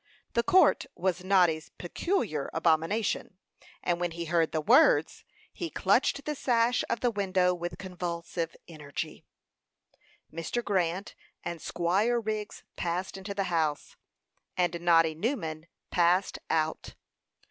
The court was Noddy's peculiar abomination; and when he heard the words, he clutched the sash of the window with convulsive energy. Mr. Grant and Squire Wriggs passed into the house, and Noddy Newman passed out.